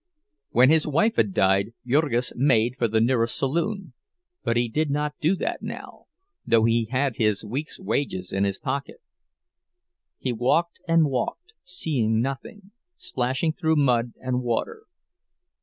When his wife had died, Jurgis made for the nearest saloon, but he did not do that now, though he had his week's wages in his pocket. He walked and walked, seeing nothing, splashing through mud and water.